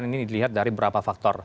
ini dilihat dari berapa faktor